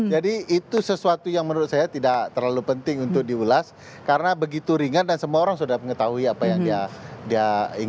jadi itu sesuatu yang menurut saya tidak terlalu penting untuk diulas karena begitu ringan dan semua orang sudah mengetahui apa yang dia ingin bertanya